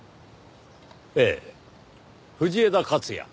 ええ藤枝克也。